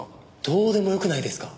どうでもよくないですか？